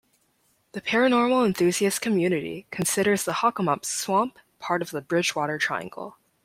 The paranormal enthusiast community considers the Hockomock Swamp part of the Bridgewater Triangle.